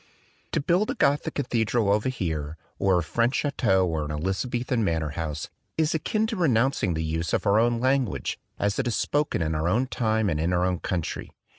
To build a Gothic cathedral over here or a French chateau or an Elizabethan manor house, is akin to renouncing the use of our own lan guage as it is spoken in our own time and in our own country.